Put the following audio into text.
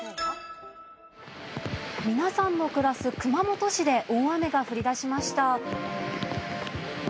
皆さんの暮らす熊本市で大雨が降りだしました。